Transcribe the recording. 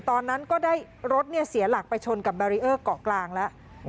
ตอนนั้นก็ได้รถเสียหลักไปชนกับแบรีเออร์เกาะกลางแล้ว